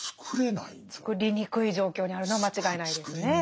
つくりにくい状況にあるのは間違いないですね。